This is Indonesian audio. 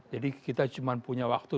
jadi kita cuma punya waktu